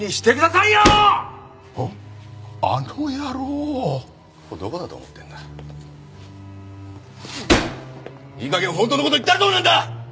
いい加減本当の事言ったらどうなんだ！？